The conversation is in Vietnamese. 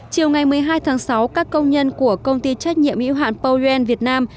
chiều ngày một mươi hai tháng sáu các công nhân của công ty trách nhiệm hưu hạn powerm vietnam